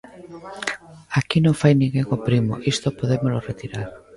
Aquí non fai ninguén o primo, isto podémolo retirar.